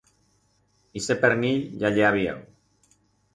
Ixe pernil ya ye aviau.